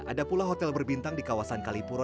ada pula hotel berbintang di kawasan kalipuro